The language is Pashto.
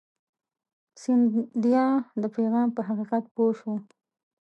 سیندهیا د پیغام په حقیقت پوه شو.